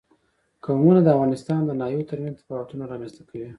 قومونه د افغانستان د ناحیو ترمنځ تفاوتونه رامنځ ته کوي.